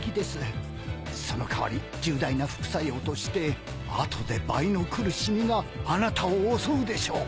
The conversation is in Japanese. その代わり重大な副作用として後で倍の苦しみがあなたを襲うでしょう。